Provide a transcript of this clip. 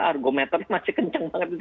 argometer masih kencang banget